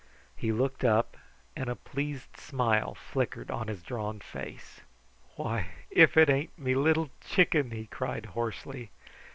He looked up, and a pleased smile flickered on his drawn face. "Why, if it ain't me Little Chicken!" he cried hoarsely.